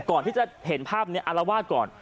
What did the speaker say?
ก่อนที่จะเห็นภาพนี้อารวาสก่อน